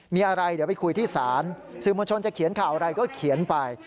มีอะไรเดี๋ยวไปคุยที่ศาลสื่อมวลชนจะเขียนข่าวอะไรก็เขียนไป